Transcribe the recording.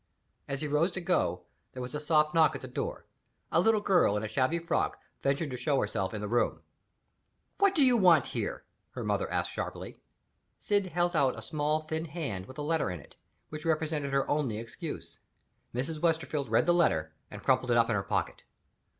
As he rose to go, there was a soft knock at the door. A little girl, in a shabby frock, ventured to show herself in the room. "What do you want here?" her mother asked sharply. Syd held out a small thin hand, with a letter in it, which represented her only excuse. Mrs. Westerfield read the letter, and crumpled it up in her pocket.